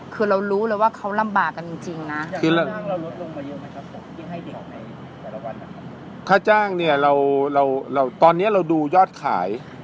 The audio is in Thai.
คือเรารู้เลยว่าเขาลำบากกันจริงนะค่าจ้างเนี่ยเราตอนนี้เราดูยอดขาย